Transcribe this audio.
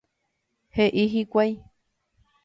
He'i hikuái.